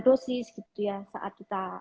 dosis gitu ya saat kita